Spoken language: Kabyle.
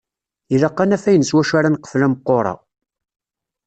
Ilaq ad d-naf ayen s wacu ara neqfel ameqqur-a.